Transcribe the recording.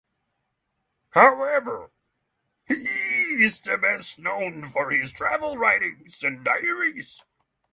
However, he is best known for his travel writings and diaries.